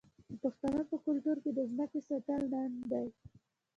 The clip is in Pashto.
د پښتنو په کلتور کې د ځمکې ساتل ننګ دی.